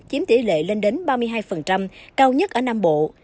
chiếm tỷ lệ lên đến ba mươi hai cao nhất ở nam bộ